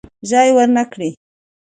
ژای ورنه کړي.